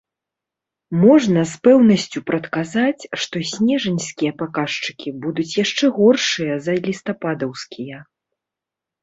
Можна з пэўнасцю прадказаць, што снежаньскія паказчыкі будуць яшчэ горшыя за лістападаўскія.